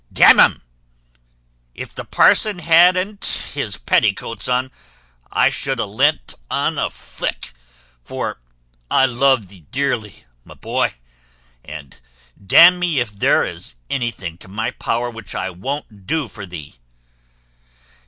D n un, if the parson had unt his petticuoats on, I should have lent un o flick; for I love thee dearly, my boy, and d n me if there is anything in my power which I won't do for thee.